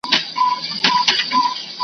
زه لکه سیوری ځمه .